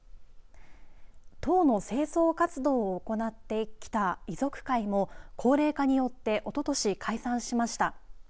塔の清掃活動を行ってきた遺族会も高齢化によっておととし解散しました。